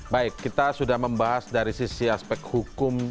baik kita sudah membahas dari sisi aspek hukum